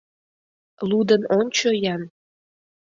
Лудын ончо-ян...